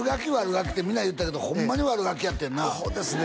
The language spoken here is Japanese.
ガキってみんな言ってたけどホンマに悪ガキやってんなアホですね